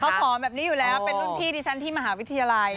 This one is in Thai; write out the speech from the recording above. เขาผอมแบบนี้อยู่แล้วเป็นรุ่นพี่ดิฉันที่มหาวิทยาลัย